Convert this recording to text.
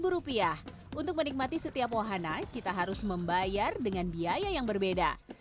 rp lima untuk menikmati setiap wahana kita harus membayar dengan biaya yang berbeda